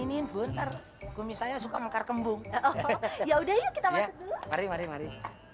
ini bentar kumis saya suka mengkar kembung ya udah yuk kita masuk dulu mari mari mari